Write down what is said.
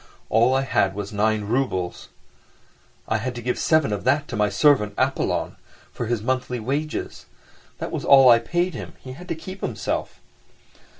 All I had was nine roubles, I had to give seven of that to my servant, Apollon, for his monthly wages. That was all I paid him—he had to keep himself.